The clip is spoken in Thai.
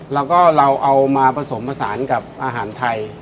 แล้วก็เราเอามาผสมผสานกับอาหารไทย